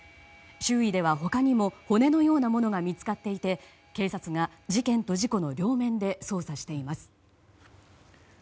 周囲では他にも骨のようなものが見つかっていて警察が事件と事故の両面で捜査しています。